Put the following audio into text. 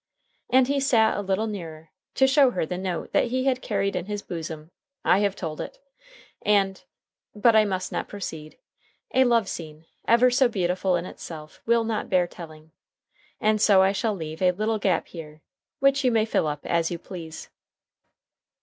And he sat a little nearer, to show her the note that he had carried in his bosom I have told it! And but I must not proceed. A love scene, ever so beautiful in itself, will not bear telling. And so I shall leave a little gap just here, which you may fill up as you please.